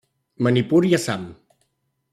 Manipur i Assam.